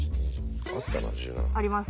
あります